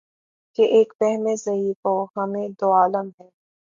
کہ ایک وہمِ ضعیف و غمِ دوعالم ہے